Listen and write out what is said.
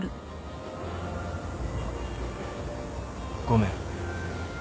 ごめん。